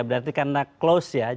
berarti karena close ya